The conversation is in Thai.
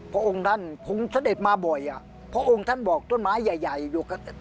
พระองค์ท่านคงเสด็จมาบ่อยพระองค์ท่านบอกต้นไม้ใหญ่